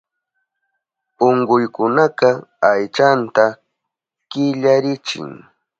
Unkuykunaka aychanta killarichin.